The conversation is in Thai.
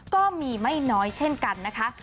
ก็มีไม่น้อยเช่นกันนะคะ